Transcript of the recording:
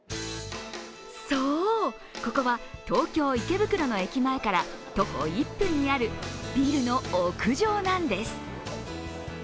そう、ここは東京・池袋の駅前から徒歩１分にあるビルの屋上なんです